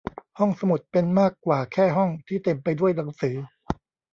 ห้องสมุดเป็นมากกว่าแค่ห้องที่เต็มไปด้วยหนังสือ